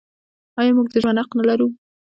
آیا موږ د ژوند حق نلرو؟